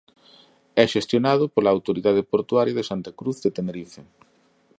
É xestionado pola Autoridade Portuaria de Santa Cruz de Tenerife.